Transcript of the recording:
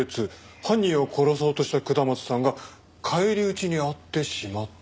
犯人を殺そうとした下松さんが返り討ちに遭ってしまった。